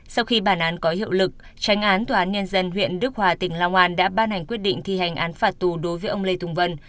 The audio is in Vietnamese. sau khi bản án có hiệu lực tranh án tòa án nhân dân huyện đức hòa tỉnh long an đã ban hành quyết định thi hành án phạt tù đối với ông lê thùng vân